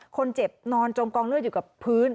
คนเจ็บนอนจมกองเลือดอยู่กับพื้น